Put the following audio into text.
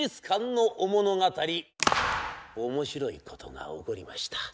面白いことが起こりました。